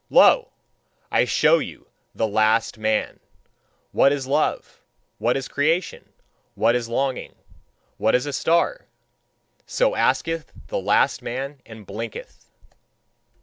Lo! I show you THE LAST MAN. "What is love? What is creation? What is longing? What is a star?" so asketh the last man and blinketh.